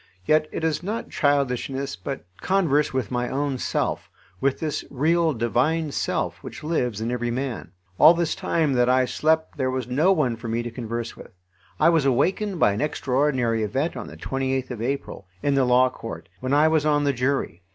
Yet it is not childishness, but converse with my own self, with this real divine self which lives in every man. All this time that I slept there was no one for me to converse with. I was awakened by an extraordinary event on the 28th of April, in the Law Court, when I was on the jury.